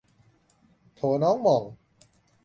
โถ้น้องหม่อง